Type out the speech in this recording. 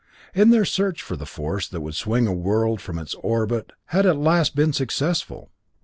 Their search for the force that would swing a world from its orbit had at last been successful.